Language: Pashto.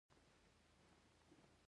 زیات شمېر خلک په آدابو نه پوهېدل.